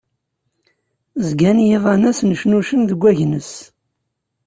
Zgan yiḍan-a snecnucen deg agnes.